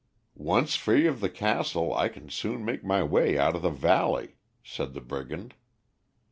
"Once free of the castle, I can soon make my way out of the valley," said the brigand.